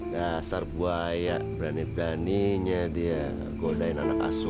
dasar buaya berani beraninya dia godain anak asu